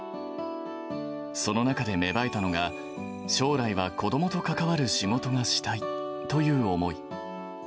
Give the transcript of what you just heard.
その中で芽生えたのが、将来は子どもと関わる仕事がしたいという思い。